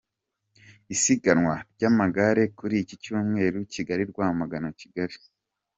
Isiganwa ry’amagare kuri icyi Cyumweru, Kigali – Rwamagana – Kigali